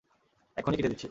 এক্ষুণি কিনে দিচ্ছি।